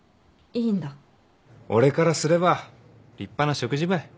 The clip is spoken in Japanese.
俺からすれば立派な食事ばい。